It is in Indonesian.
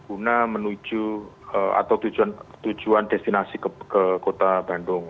guna menuju atau tujuan destinasi ke kota bandung